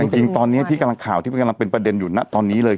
จริงตอนนี้ที่กำลังข่าวที่มันกำลังเป็นประเด็นอยู่นะตอนนี้เลย